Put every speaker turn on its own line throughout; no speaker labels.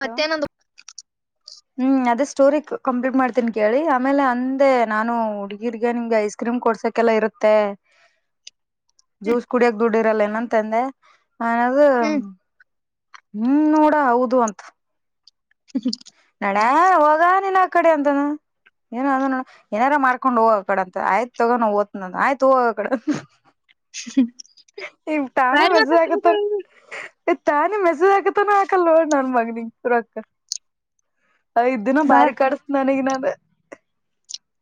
Hello
ಮತ್ತೇನಂದು [unintelligible]
ಹ್ಮ್ ಅದೇ story complete ಮಾಡ್ತೀನಿ ಕೇಳಿ ಆಮೇಲೆ ಅಂದೆ ನಾನು ಹುಡ್ಗೀರ್ಗ ನಿಮ್ಗೆ ಐಸ್ ಕ್ರೀಮ್ ಕೊಡ್ಸೋಕ್ಕೆೆಲ್ಲ ಇರುತ್ತೆ
[inaudible]
ಜ್ಯೂಸ್ ಕುಡಿಯಕ್ ದುಡ್ಡಿ ಇರಲ್ಲ ಏನಂತಂದೆ ಅನದು
ಹ್ಮ್
ಹ್ಮ್ ನೋಡ ಹೌದು ಅಂತ
ಹ [unintelligible]
ನಡ ಹೋಗ ನಿನ್ ಆ ಕಡೆ ಅಂತಾನ ಏನ ಅದ ನೋ ಏನಾರ ಮಾಡ್ಕೊಂಡ್ ಹೋಗೋ ಆ ಕಡೆ ಅಂತ ಆಯ್ತ ತಗೊಂಡೋ ಓದ್ ಆಯ್ತ ಹೋಗ್ ಆಕಡೆ
ಹ್ಮ
ಇಗ್ ತಾನೇ ಮೆಸ್ಸೇಜ್ ಅಕಕ್ಕತನ ಇ ತಾನೇ ಮೆಸೇಜ್ ಆಕತಾನ ಆಾಕಲ್ಲೋಡ್ ನನ್ ಮಗನಿಗ್ ತುರಾಕ ಐದ್ ದಿನ
ಬಾ
ಬಾರಿ ಕಡಿಸಸ ನನಗ ನನ್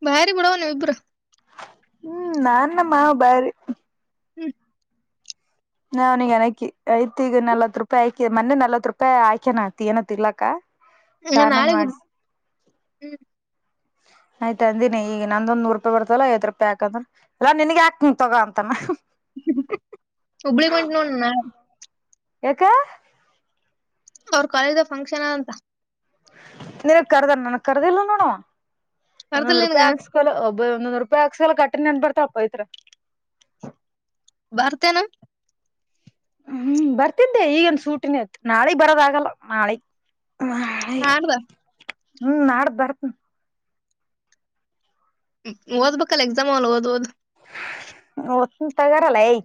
ಬಾರಿ ಬಿಡೋಣ ನೀವುಇಬ್ರು
ಹ್ಮ್ ನಾನ್ [unintelligible] ಬಾರಿ
ಹ್ಮ್
ನಾನಿಗ ಅನಕಿ ಐತ ಈಗ ನಲ್ವತ್ ರೂಪಾಯಿ ಆಯ ಮೊನ್ನೆ ನಲ್ವತ್ ರೂಪಾಯಿ ಆಯಕ್ಯನ ಆತಿ ಏನತ್ ಇಲಾ
ಹಾ ನಾಳಿಗ ಹ್ಮ್
ಆಯ್ತ ಅಂದಿನಿ ಈಗ ನಂದೊಂದ ನೂರು ರೂಪಾಯಿ ಬರ್ತಲ್ಲ ದ್ ಪ್ಯಾಕ್ ಅಂದ್ರ ಎಲ್ಲಾ ನನ್ಗೆ ಯಾಕ್ಂಗ ತಗೋ ಅಂತಾನ
ಹುಬ್ಬಳ್ಳಿ [unintelligible] ನಾ
ಎಕ್
ಅವ್ರ ಕಾಲೇಜ್ ದಾಗ ಫಂಕ್ಷನ್ ಅಂತ
ನಿನ ಕರ್ದಾನ ನನಗ್ ಕರ್ದಿಲ್ಲ ನೋಡು
ಕರ್ದಿಲ್ಲ
ಒಂದೊಂದ್
ನಿನ್ಗ
ರೂಪಾಯಿ ಹಾಕ್ಸ ಲ್ಲ ಒಬ್ಬ ಒಂದೂ ರೂಪಾಯಿ ಹಾಕ್ಸಲ್ಲ ಕಟ್ಟಿ ನನ್ ಬರ್ತಪ್ಪ ಐತ್ರ
ಬರ್ತೆೇನ
ಹ್ಮ್ ಬರ್ತಿದ್ದೆ ಈಗನ್ ಸೂಟಿನ ಆತ್ ನಾಳೆಗ್ ಬರೋದ ಆಗಲ್ಲ ನಾಳೆಗ್ ಆಯ
ಆಡ್ದ
ಹ್ಮ ನಾಡ್ದ ಬರ್ತ್ನ
ಓದ್ಬೇಕಲ್ಲ ಎಕ್ಸಾಮ್ ಓದ್ಓದ್
ನ್ ತಗಾರಲ್ಲ ಯ್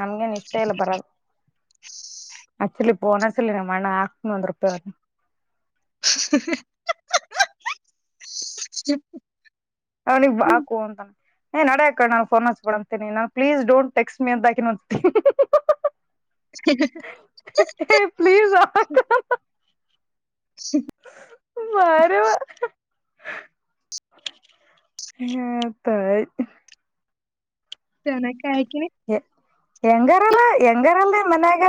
ನಮ್ಗೇನ್ ಇಷ್ಟ ಇಲ್ಲ ಬರೋದು ಆಕ್ಚುಲಿ ಫೋನ್ ಹಚ್ಚ ನಮ್ಮ ಅಣ್ಣಾಕ್ತನ ಒಂದ್ ರೂಪಾಯಿ
[unintelligible]
ಅವ್ನಿಗೆ ಹಾಕು ಅಂತಾನ ಏ ನಡಿ ಅಡಾಕ ಪೋನ್ ಹಚ್ಕಿ ಅಂತೀನಿ ನಾನ ಪ್ಲೀಸ್ ಡೋಟ್ ಟೇಕ್ಸ್ ಅ ಹಾಕಿಂದ್ತನಿ ಏ
[unintelligible]
ಪ್ಲೀಸ್ [inaudible] ಬಾರಿ ವಾ ಹತಾಯ
[unintelligible]
ಹೆಂಗಾರಲ್ಲ ಹೆಂಗಾರಲ್ಲ ನಿ ಮನ್ಯಾಗ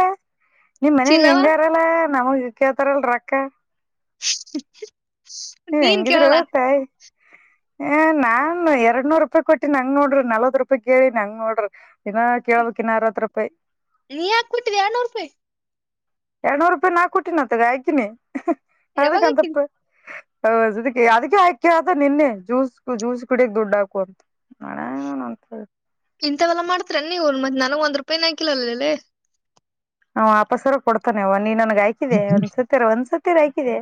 ನಿಮ್ ಮನ್ಯಾಗ
ಚಿನ್ನವ
ಹೆಂಗಾರ ಲ್ಲ ನಮಗ್ ಕೇಳ್ತರಲ್ಲ ರೊಕ್ಕ
[unintelligible]
ನೀವ್
ನೀನ್
ಹೆಂಗಿದ್ರೆ
ಕೇಳಲ್ಲ
ತ್ತಾಯ ಏ ನಾನ್ ಎರಡ್ ನೂರ್ ರೂಪಾಯಿ ಕೊಟ್ಟಿ ಹಂಗ್ ನೋಡ್ರಿ ನಲ್ವತ್ ರೂಪಾಯಿ ಕೇಳಿ ಹಂಗ ನೋಡ್ರಿ ಇನ್ನ ಕೇಳ್ಬೇಕಾ ಅರವತ್ತು ರೂಪಾಯಿ
ನೀ ಹಾ ಕೊಟ್ಟಿದೆ ಎರಡ ನೂರ ರೂಪಾಯಿ
ಎರಡ್ನೂರು ರೂಪಾಯಿ ನಾ ಕೊಟ್ಟೀನ ಅತ್ತಗ ಹಾಕಿನಿ
ಯಾವಾಗ ಹಾಕಿದಿ
ಅದಕ್ಂತಪ್ಪ ಹೌ ಅದಕ್ಕೆ ಅದಕ್ಕೆ ಹಂಗ ಕೇಳುತ್ತಾನ ನಿನ್ನೆ ಜ್ಯೂಸ್ ಜ್ಯೂಸ್ ಕುಡಿದ ನೋಡಿ ದುಡ್ಡು ಹಾಕು ಅಂತ [unintelligible]
ಇಂತವೆಲ್ಲ ಮಾಡತೀರ ನೀವು ಮತ್ ನನಗ ಒಂದ್ ರೂಪಾಯಿ ನಾ ಹಾಕಿಲ ಅಲ್ಲಲ್ಲೇ
ಅವಾ ವಾಪಸ್ಸರೇ ಕೊಡ್ತೇೆ ನೀನ್ ನನ್ಗ್ ಹಾಕಿದೆ ಒಂದ್ ಸತ್ತೇರ ಒಂದ್ ಸತ್ತರೆ ಹಾಕಿದೆ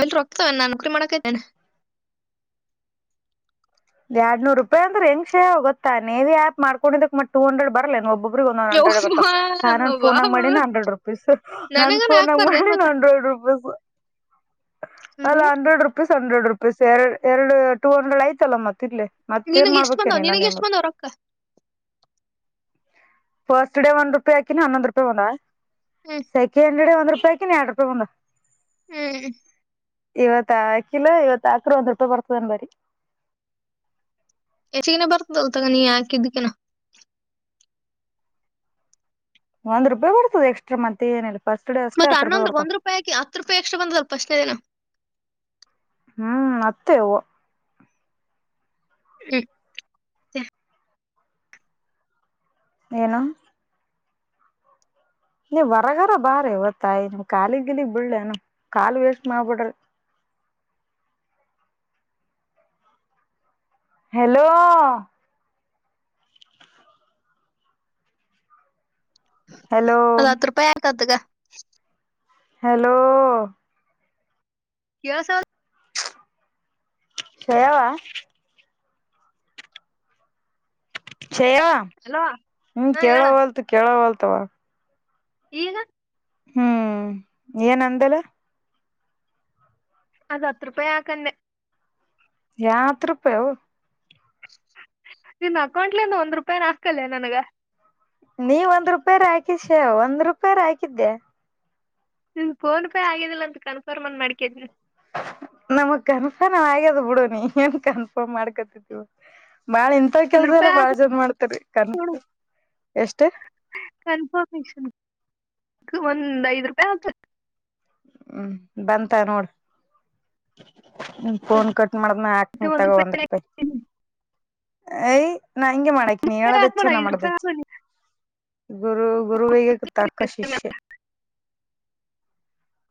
ಎಲ್ ರೊಕ್ಕವನ ನಾ ನೌಕ್ರಿ ಮಾಡಕ ಇದ್ದೇನೆ
ಎರಡ್ ನೂರು ರೂಪಾಯಿ ಅಂದ್ರ ಹೆಂಗ್ ಗೊತ್ತಾ ನೀವ ಯ ಆಪ್ ಮಾಡ್ಕೊಂಡಿದಕ್ತ್ ಟೂ ಹಂಡ್ರೆಡ್ ಬರ್ಲ್ಲ ಒಬ್ಬಗ ಒಂದ ಹ್ರೆಡ್ ಬರತಾವ ನಾನ್
ಬಾ
ಫೋನಗ ಮಾಡಿನ ಹಂಡ್ರೆಡ್ ರುಪೀಸ್ ನನ್
ನನಗನ
ಫೋನ್ಗ
ಹಾಕ್ಬಾರ್ದೇನ್
ಮಾಡನ
ಮತ್ತ
ಹಂಡ್ರೆಡ್ ರುಪೀಸ್ಸ ಅಲ್ಲ ಹಂಡ್ರೆಡ್ ರುಪೀಸ್ ಹಂಡ್ರೆಡ್ ರುಪೀಸ್ ಎರ ಎರಡು ಟೂ ಹಂಡ್ರೆಡ್ ಆಯ್ತಲ್ಲ ಮತ್ತ ಇಲ್ಲೇ ಮತ್ತೇನ್
ನಿನಗ್ ಎಷ್ಟ್
ಮಾಡ್ಬೇಕೇನೆ
ಬಂದವ್
ಇನ್
ನಿನಗ್ ಎಷ್ಟ್
ನಿಮಗ
ರೊಕ್ಕ.
ಫಸ್ ಡೇ ಒಂದು ರೂಪಾಯಿಆಕಿನ ಹನ್ನೊಂದು ರೂಪಾಯಿ ಬಂದವಾ
ಹ್ಮ್.
ಅಕೆ ಅಂಗಡಗಾ ಒಂದು ರೂಪಾಯಿ ಎರಡ್ ರೂಪಾಯಿಕ್ ಒಂದು.
ಹ್ಮ್
ಇವತ್ ಅಕಿನ್ ಇವತ್ ಆಕರು ಒಂದ್ ರೂಪಾಯಿ ಬರ್ತನ್ ಅಂದಕಿ.
ಹೆಚ್ಚಿಗನ್ ಬರ್ತದಲ್ ತಗೂ ಹಿಕಿದಕನ್.
ಒಂದು ರೂಪಿರ್ತದೆ ಎಕ್ಸ್ಟ್ರ ಮತ್ತ ಏನ್ ಇಲ್ಲಾ.
ಮತ್ತ ಹನ್ನೊಂದು ಒಂದು ರೂಪಾಯಿ ಆಕಿ ಹತ್ತ ರೂಪಾಯಿ ಏಷ್ಟರಾ ಪಾಸ್ಟಾನೇ ದಿನ.
ಹ್ಮ್ ಮತ್ತೇ ಹೊ.
ಹ್ಮ್... ಮತ್ತೆ.
ಏನೋ. ನೀ ಹೊರಗರ ಬಾರ ಯಾವ್ ತಾಯಿ ನಿಮ ಕಾಲಿ ಗಿಲ್ಲಿಗೆ ಬಿಳ್ಳನು ಕಾಲು ವೇಸ್ಟ್ ಮಾಡಬೇಡಿರಿ. ಹೇಳೋ. ಹೆಲೋ
ಅದ ಹತ್ತು ರೂಪಾಯಿ ಆಕ್ ತೋಗೂ.
ಹಲೋ.
ಕೆಲಸವದ್.
ಹೇಳ್. ಚಯವ್
ಅಲೋ
ಹ್ಮ್
ಹಾ ಹೇಳ
ಕೇಳೋ ಹೋಳ್ತಾ ಕೇಳೋ ಹೋಳ್ತ.
ಈಗ
ಹ್ಮ್ ಏನ್ ಅಂದಲ್ಲ.
ಅದ ಹತ್ತು ರೂಪಾಯಿ ಹಾಕ ಅಂದೆ.
ಯಾ ಹತ್ತ ರೂಪಾಯ ಅವು.
ನಿನ್ನ ಅಕೌಂಟ್ಲಿಂದ ಒಂದ್ ರೂಪಾಯನ ಹಾಕಲ್ಲ ನನಗ.
ನೀವ ಒಂದ್ ರೂಪಾಯಿರ ಹಾಕಿ ಶೆ ಒಂದ್ ರೂಪಾಯಿರ ಹಾಕಿದ್ದೆ.
ನಿ ಫೋನ್ ಪೇ ಆಗಿದಿಲ್ಲ ಅಂತ ಕನ್ಫರ್ಮ್ನ್ ಮಾಡ್ಕಿದನಿ.
ನಮಗ್ ಕನ್ಫರ್ಮ್ ಹಾಗ ಗ್ಯಾದ ಬಿಡೋ ನೀ ಏನ್ ಕನ್ಫರ್ಮ್ ಮಾಡ್ಕೊತಿದೀವ. ಬಾಳ ಇಂತ
ಒಂದ್
ಕೆಲ್ಸ ಎಲ್ಲ
ರೂಪಾಯಿ
ಬಾಳ್ ಜನ ಮಾಡ್ತರಿ ಕನಸ..... ಎಷ್ಟ
ಕನ್ಫರ್ಮೇಶನ್ ಒಂದ್ ಐದ್ ರೂಪಾಯಿ ಹಾಕ್.
ಹ್ಮ್ ಬಂತ ನೋಡ..... ಹ್ಮ. ಫೋನ್ ಕಟ್ ಮಾಡದಾಗ್ ಹಾಕ್ನನಿ ತಗೋ ಒಂದ್ ರೂಪಾಯಿ...... ಅಯ. ನಾ ಹಿಂಗೆ ಮಾಡಕ್ ನೀ
ಹಾಕ್ಬೇಡ
ಹೇಳದಚ್ಚು ನಾ
ಐದ್ ರೂಪಾಯಿ
ಮಾಡದಚ್ಚ ಗುರು ಗುರುವಿಗೆ. ತಾಕ್ಕ ಶಿಷ್ಯ.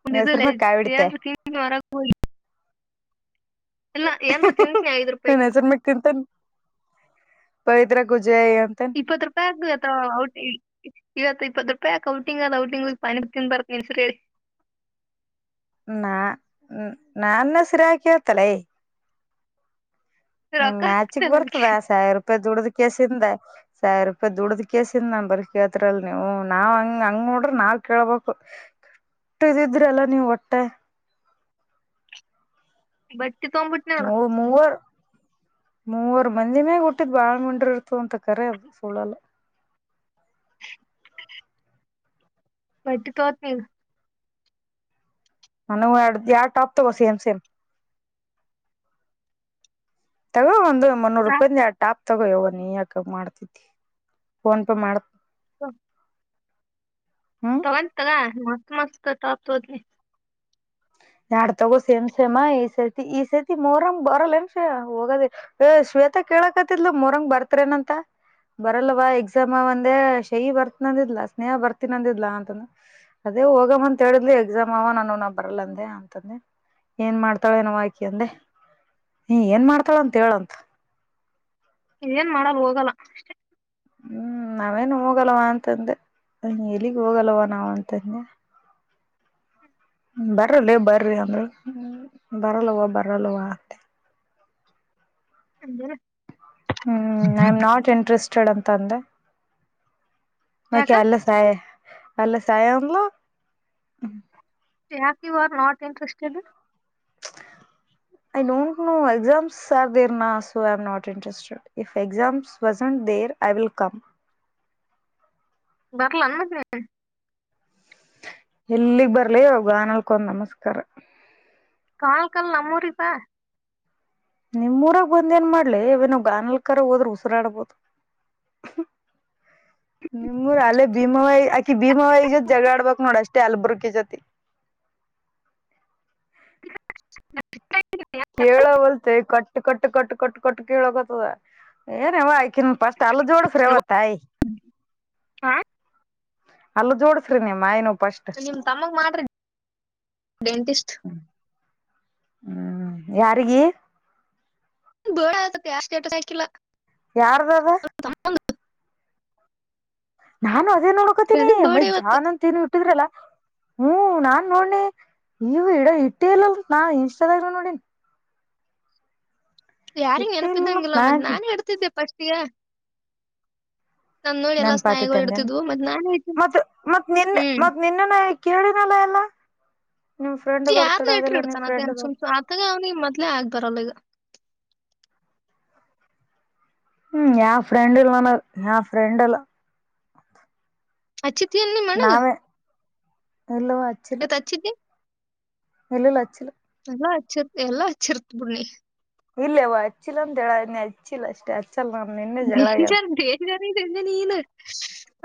ಒ
ಹೆಸರು
ಇಲ್ಲ
ಮ್ಯಾಗ ಕಾಯಿ ಇಡ್ತೆ
ನ್ ಮರ. [inaudible] ಇಲ್ಲ
ಹ್ಮ್
ಏನ್ರ
ಹ್ಮ್ ಹ್ಮ್ ಹ್ಮ್.......
ತಿಂತೀನಿ ಐದ್ ರೂಪಾಯಿ
ನನ್ ಹೆಸರ ಮಾಲೇ ತಿಂತನ್...... ಪವಿತ್ರ ಕೋ ಜ್ಜಯ ಅಂತನ್.
ಇಪ್ಪತ್ತು ರೂಪಾಯಿ ಆಗ್ಬೇಕ ಅಥವಾ ಟೀ. ಇವತ್ ಇಪ್ಪತ್ ರೂಪಾಯಿಾಕ್ ಔಟಿಂಗ್ ಔಟಿಂಗ್ ಪಾನಿ ಪುರಿ ತಿಂದ ಬರತೆನಿ ನಿನ್ನ ಹೆಸರ್ ಹೇಳಿ.
ನಾ...... ನನ್ನಸಿರ ಯಾಕ್ ಹೇಳಿತ್ತಲೆ. ನಿಂಗ
ರೊಕ್ಕ
ನಾಚಕ್
ಹಾಕ್ತಲ್ಲ
ಬರ್ತದ
ಅದಕ್ಕೆ
ಸಾವಿರ ರೂಪಾಯಿ ದುಡದ ಕೇಸಿಂದ. ಸಾವಿರೂಪಾಯಿ ದುಡ್ದ್ ಕೇಸಿಂದ ನಾನ್ ಬರ್ ಕೇಳ್ತ್ರಲ್ ನೀವು ನಾವ್ ಹಂಗ ಹಂಗ ನೋಡ್ರಿ ನಾವ್ ಕೇಳ್ಬೇಕು.
ಹ [inaudible]
ಒಟ್ಟ ಇದಿದ್ರಿ ಅಲ್ಲ ನೀವು ಒಟ್ಟ.
ಬಟ್ಟಿ ತೊಬಿಟ್ಟು.
ಮೂ. ಮೂವರ್.... ಮೂವರ್ ಮಂದಿನೇ ಊಟದ್ ಬಾಳ ಉಂಡ್ರ ಇರ್ತ ಅಂತ ಕರೆ ಅದು ಸುಳ್ಳಲ್ಲ.
ಬಟ್ಟಿ ತೋತ್ ನೀ [inaudible]
ನನವು ಎರಡು ಪ್ಯಾಂಟ್ ಟಾಪ್ ತಗೋ ಸೇಮ್ ಸೇಮ್. ತಗೊ ಒಂದು ಮುನ್ನೂರು
ನಾಲ್ಕು
ರೂಪಾಯ ಟಾಪ್ ತಗೋ ಯವ್ವ ನೀ ಯಾಕ ಅಂಗ್ ಮಾಡ್ತಿದಿ ಫೋನ್ ಪೇ ಮಾಡ್
ಹ [inaudible]
ಹ್ಮ್
ತಗಂತ್ ತಗ ಮತ್ ಮಸ್ತ್ ಟಾಪ್ ತಗೋತೀನಿ
ಎರ್ಡ್ ತಗೋ ಸೇಮ್ ಸೇಮ ಈ ಸೇತಿ ಈ ಸೇತಿ ಮೋರಂ ಬರಲ್ಲ ಹೆಮ್ ಸೇ ಹೋಗದ ಏ ಶ್ವೇತಾ ಕೇಳಕತ್ತಿದ್ಲ ಮೊಹರಂ ಗೆ ಬರ್ತೇರೆನಂತ ಬರಲ್ಲವಾ ಎಕ್ಸಾಮ ಅವಂದೇ ಶೈಿ ಬರ್ತನಂದ್ಲಾ ಸ್ನೇಹ ಬರ್ತನಂದಿದ್ಲ ಅಂತಂದ ಅದೇ ಹೋಗಮಂತ್ ಹೇಳಿದ್ಲಿ ಎಕ್ಸಾಮ್ ಅವ ನಾನು ಬರಲ್ಲ ಅಂದೆ ಅಂತಂದೆ ಏನ್ ಮಾಡ್ತಾಳೆನೋವ ಆಕಿ ಅಂದೆ ನೀ ಏನ್ ಮಾಡ್ತಾಳ ಅಂತ ಹೇಳಂತ
ಇನ್ ಏನ್ ಮಾಡಲ್ ಹೋಗಲ್ಲ
ಹ್ಮ್ ನಾವೇನು ಹೋಗಲ್ವ ಅಂತಂದೆ ಎಲ್ಲಿಗ್ ಹೋಗಲ್ಲವ ನಾವ್ ಅಂತಂದೆ ಬರಲ್ಲ ಬರ್ರಿ ಅಂದ್ರೆ ಬರಲ್ಲವ ಬರಲ್ಲವ ಅಂದೆ
ಅಂದ್ರ
ಹ್ಮ್ ಐ ಎಮ್ ನಾಟ್ ಇಂಟ್ರೆಸ್ಟೆಡ್ ಅಂತ ಅಂದೆ ಮ
ಯಾಕ
ಸಾಯ ಅಲ್ಲ ಸಾಯಲ
ಯಾಕ ಇವಾರ್ not interested
I don't know exams are ದೇರ್ನಾ so I am not interested if exams wasn't there I will come
ಬರ್ಲಾ ಮತ್ ನಿನ್
ಎಲ್ಲಿಗ್ ಬರ್ಲಿ ಗಾನಲ್ಕೊಂದ್ ನಮಸ್ಕಾರ
ಕಾಲ್ ಕಲ್ ನಮ್ಮೂರಿಗ್ ಬಾ
ನಿಮ್ ಊರಿಗ್ ಬಂದ ಏನ್ ಮಾಡ್ಲಿ ಇವ ನಾವು ಗಾನಲ್ ಕರ ಹೋದ್ರ ಉಸರಾಡ್ಬೋದು
[inaudible]
ನಿಮೂರ ಅಲ್ಲೇ ಭೀಮಾವಾಯ ಆಕಿ ಭೀಮಾವಿ ಜೊತ್ ಜಗಳ ಆಡ್ಬಬೇಕಕ್ ನೋಡ ಅಷ್ಟೇ ಅಲ್ಬರ್ಕ ಜೊತಿ ಕೇಳವಲ್ತೆ ಕಟ್ ಕಟ್ಟ ಕಟ್ ಕಟ್ಟ ಕಟ್ಟು ಕೇಳಕತದ ಏನಯ್ತ ಅಕಿನ ಪಷ್ಟ್ ಅಲ್ಲ ಜೋಡೀಸರವ್ವ ತಾಯಿ
ಹಾ
ಅಲ್ಲ ಜೋಡಸ್ರಿ ನಿಮ್ಮ ನು ಪಸ್ಟ್
ನಿಮ್ ತಮ್ಮಗ್ ಮಾಡ್ರಿ ಡೆಂಟಿಸ್ಟ್
ಹ್ಮ್ ಯಾರಿಗೆ
ಬೇಳ ಆಯ್ತ್ ಯಾರ್ ಸ್ಟೇಟಸ್ ಹಾಕಿಲ್ಲ
ಯಾರದದ
[unintelligible]
ನಾನು ಅದೇ ನೋಡ್ಕೋತೀನಿ
ಪ್ರದೀಪ್ ಬೇಡ
ಮೈ
ಇವತ್ತು
ಜಾನ್ ಅಂತ ಏನ ಇಟ್ಟಿದ್ರಲ್ಲಾ ಹ್ಮ್ ನಾನ್ ನೋಡನ ಇವು ಇಡೋ ಇಟ್ಟಿಲ್ಲ ನಾ ಇನ್ಸ್ಟಾದಾಗಿ ನೋಡಿ
ಯಾರಿಂಗ್
ಇಟ್ಟೇ ಇಲ್ಲ
ನೆಪಿದಂಗಿಲ್ಲ
ನಾ
ಮತ್ ನಾನೆ ಹಿಡ್ತಿದ್ದೆ ಪಸ್ಟ್ ಈಗ ಎಲ್ಲಾ
ನನ್ ಪಾತಿ
ಸ್ನಾಯಿಗಳು
ತಂದೇನೆ
ಇಡ್ತಿದ್ವು ಮತ್ ನಾನೇ ಇಟ್ನಿ
ಮತ್ ಮತ್ ನಿನ್ನ
ಹ್ಮ್
ಮ ನಿನ್ನನೆ ಕೇಳಿನಲ್ಲ ಎಲ್ಲಾ ನಿಮ್ ಫ್ರೆಂಡ್ ಬರ್ತಡೆ ಅದೆಲ್ಲ ನಿನ್ ಫ್ರೆಂಡ್ ದು
ತಗೋಅವ್ನಿಗೆ ಮೊದ್ಲೆ ಆಗ್ಬಾರಲ್ಲ ಈಗ.
ಹ್ಮ್ ಯಾವ ಫ್ರೆಂಡ್ ಇಲ್ ಮನ ಯಾವ ಫ್ರೆಂಡ್ ಅಲ್ಲ.
ಅಿ [unintelligible]
ನಾವೇ ಇಲ್ಲವಾ.
ಇವತ್ತ ಹಚ್ಚಿದ್ದಿ.
ಇಲ್ಲ ಇಲ್ಲ ಹಚ್ಚಿಲ್ಲ.
ಎಲ್ಲಾ ಹಚ್ಚಿರ್ತ್ ಎಲ್ಲಾ ಹಚ್ಚಿರ್ತ್ ಬಿಡ್ ನೀ.
ಇಲ್ಲೇವ ಹಚ್ಚಿಲ್ಲ ಅಂತ ಹೇಳೆ ಹಚ್ಚಿಲ್ಲ ಅಷ್ಟೇ ಅಚ್ಚ. [unintelligible]
ಡೇಂಜರ್ ಡೇಂಜರ್ ನೀನು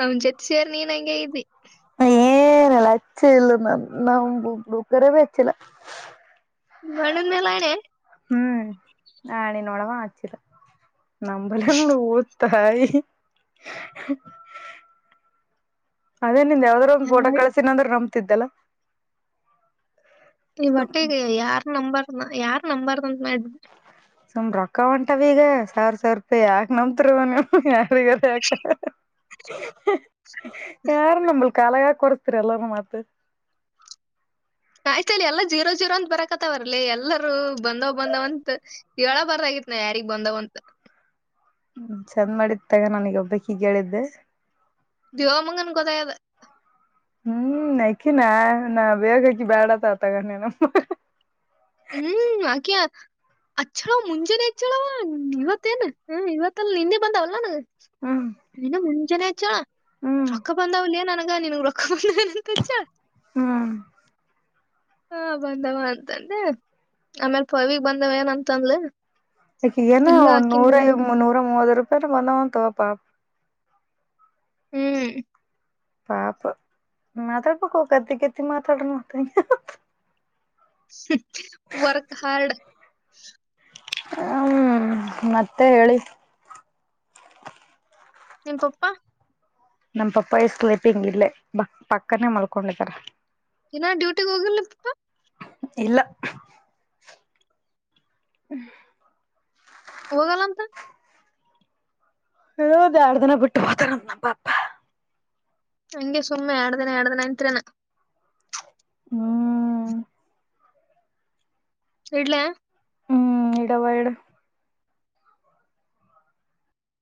ಅವನ್ ಜತ್ಸಿ ಸೆರಿ ನೀನ್ ಹಂಗೆ ಆಗಿದೀ.
ಏನಲ್ಲ ಅಚ್ಚ ಇಲ್ಲ ನನ್ನ ಕರೆಗೂ ಅಚ್ಚಿಲ್ಲ.
ನೀಮಣ್ಣ ಮೆಲಣೇ
ಹ್ಮ್ ನನ್ನೋಡವ ಆಚರ [unintelligible] ನಂಬಲ್ಲ. ತಾಯಿ [unintelligible] ಅದೇ ನಿಂದ ಯಾವ್ದಾದ್ರೂ ಒಂದ ಪೋಟೋ ಕಳಸಿನಂದ್ರರು ನಂಬ್ತಿದ್ದಲ್ಲ.
ಈ
ಸುಮ್
ಹೊಟ್ಟೆಗೆ ಯಾರ್ ನಂಬರ್ನ ಯಾರ್ ನಂಬರ್ಂತ ಮಾಡಿ.
ಸುಮ್ಮ್ ರೊಕ್ಕ ಹೋಂಟವ ಈಗ ಸಾವಿರ ಸಾವಿರ ರೂಪಾಯಿ ಯಾಕ್ ನಂಬ್ತರವ ನೀವು. ಯಾರಗರ ಯಾಕ ಯಾರ್ ನಮ್ಮಳ್ ಕಾಲಗ ಕೊರಚ್ ಮತ್
ಆಯ್ತಲ್ಲಿ ಎಲ್ಲಾ ಜೀರೋ ಜೀರೋ ಅಂತ್ ಬರಕತ್ತವರ್ಲಿ ಎಲ್ಲರೂ ಬಂದವ್ ಬಂದವ್ ಅಂತ ಹೇಳ ಬಾರದ ಆಗಿತ್ ನಾ ಯಾರಿಗ್ ಬಂದಾವ ಅಂತ
ಚಂದ ಮಾಡಿದ ತಗ ನನಗ ಒಬ್ಬಕಿಗ್ ಹೇಳಿದ್ದೆ
ದೇವಮಂಗನ ಗೋತಾಆಗೆಯದ
ಹ್ಮ್ ನಕಿನ ನಾ ಬೇಕ ಬ್ಯಾಡ ಅತ್ತಾಳ ತಗೋ
ಹ್ಮ್ ಆಕೆ ಅಚ್ಚಾಳ ಮುಂಜಾನೆ ಹೆಚ್ಚಳವ ಇವತ್ತೇನ್ ಹ ಇವತ್ತಲ್ಲ ನಿನ್ನೆ ಬಂದಾವಲ್ಲ ನನಗ.
ಹ್ಮ್
ನನು ಮುಂಜೇನ ಹಚ್ಚಾಳ
ಹ್ಮ್
ರೊಕ್ಕ ಬಂದಾವುಲ್ಲೇನು ನಗ ನನಗೆ ರೊಕ್ಕ ಬಂದ. ಎದಕ ಕಚ್ಚಾಳ
ಹ್ಮ್
ಹು ಬಂದವ ಅಂತಂದ ಆಮೇಲ್ ಪವಿ ಗೆ ಬಂದವ ಏನಂತಂದಲ.
ಆಕಿಗ ಏನೋ ಒಂದ ನೂರ ನೂರ ಮೂವತ್ತು ರೂಪಾಯ ಬಂದಾವನ್ ತೋಪಾ.
ಹ್ಮ್
ಪಾಪ ಮಾತಾಡಬೇಕು ಪ ಕತ್ತ ಕತ್ತ ಮಾತ್ರಡ ಮಾತ.
[unintelligible] Work hard.
ಹ್ಮ್ ಮತ್ತೆ ಹೇಳಿ.
ನಿಮ್ಮ ಪಪ್ಪ.
ನಮ್ ಪಪ್ಪಾಯ ಸ್ಲೀಪಿಂಗ್ ಇಲ್ಲೇ ಬ ಪಕ್ಕನೇ ಮಲ್ಕೊಂಡಿದಾರೆ.
ಇನ್ ಅ ಡ್ಯೂಟಿಗ್ ಹೋಗಿಲ್ಲ ಪಪ್ಪಾ.
ಇಲ್ಲಾ
ಹೋಗಲ್ಲ ಅಂತ
ಇದ ಎರಡ್ ದಿನ ಬಿಟ್ಟು ಹೋತನ ನಮ್ಮ್ ಪಪ್ಪಾ
ಹಂಗೆ ಸುಮ್ಮನೆ ಎರಡ್ ದಿನ ಎರಡ್ ದಿನ ಅಂತ್ರಿರೆನ
ಹ್ಮ್
ಇಡ್ಲಾ
ಹ್ಮ್ ಇಡವಾ ಇಡ